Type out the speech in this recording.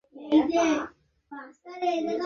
বর্তমানে তিনি মুম্বাইয়ে বসবাস করছেন।